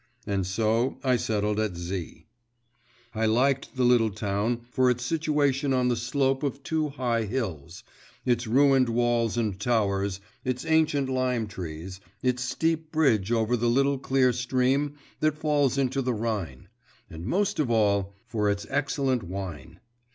and so I settled at Z. I liked the little town for its situation on the slope of two high hills, its ruined walls and towers, its ancient lime trees, its steep bridge over the little clear stream that falls into the Rhine, and, most of all, for its excellent wine.